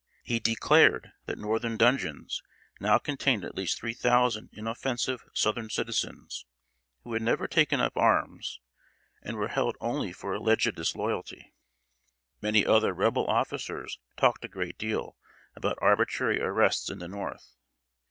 He declared that Northern dungeons now contained at least three thousand inoffensive Southern citizens, who had never taken up arms, and were held only for alleged disloyalty. Many other Rebel officers talked a great deal about arbitrary arrests in the North.